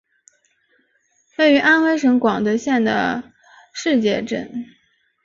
位于安徽省广德县的誓节镇。